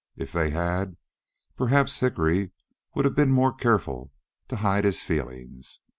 If they had, perhaps Hickory would have been more careful to hide his feelings.